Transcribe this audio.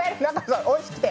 おいしくて。